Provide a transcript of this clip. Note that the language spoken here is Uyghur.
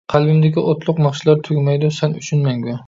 قەلبىمدىكى ئوتلۇق ناخشىلار تۈگىمەيدۇ سەن ئۈچۈن مەڭگۈ.